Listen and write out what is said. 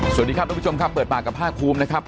สวัสดีครับทุกผู้ชมครับเปิดปากกับภาคภูมินะครับ